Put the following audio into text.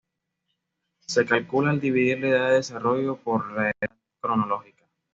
Se calcula al dividir la edad de desarrollo por la edad cronológica.